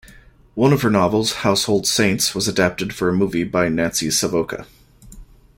One of her novels, "Household Saints", was adapted for a movie by Nancy Savoca.